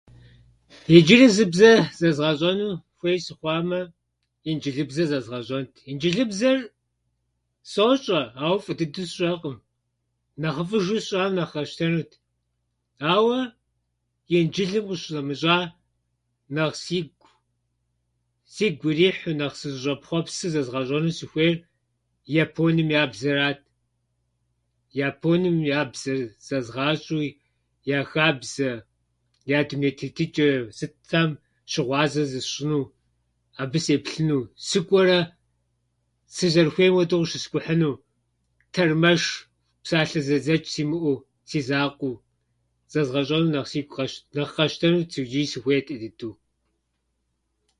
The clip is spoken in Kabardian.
Иджыри зы бзэ зэзгъэщӏэну хуей сыхъуамэ, инджылыбзэр зэзгъэщӏэнт. Инджылыбзэр сощӏэ, ауэ фӏы дыдэу сщӏэкъым. Нэхъыфӏыжу сщӏам нэхъ къэсщтэнут. Ауэ инджылым къыщынэмыщӏа нэхъ сигу- сигу ирихьу нэхъ сызыщӏэхъуэпсыр зэзгъэщӏэну сыхуейр японым я бзэрат. Японым я бзэр зэзгъащӏэуи, я хабзэ, я дуней тетычӏэ сытхьэм щыгъуазэ зысщӏыну, абы сеплъыну, сыкӏуэрэ сызэрыхуейм хуэдэу къыщыскӏухьыну, тэрмэш, псалъэ зэдзэчӏ симыӏэу, си закъуэу. Ззэзгъэщӏэну нэхъ сигу къэсщт- нэхъ къэсщтэнут иджи сыхуейт ӏей дыдэу.